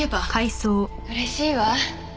嬉しいわ。